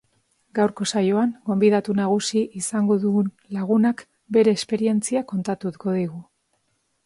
Gaurko saioan, gonbidatu nagusi izango dugun lagunak bere esperientzia kontatuko digu.